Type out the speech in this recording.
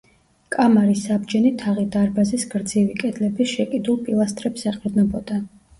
კამარის საბჯენი თაღი დარბაზის გრძივი კედლების შეკიდულ პილასტრებს ეყრდნობოდა.